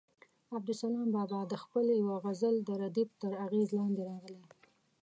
عبدالسلام بابا د خپل یوه غزل د ردیف تر اغېز لاندې راغلی.